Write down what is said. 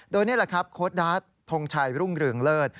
โดยนี่แหละครับโค้ดดาร์ดทงชัยรุ่งเรืองเลิศ